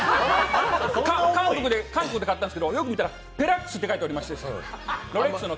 韓国で買ったんですがよく見たらペラックスって書いてありまして、ロレックスの。